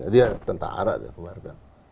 dia tentara keluarga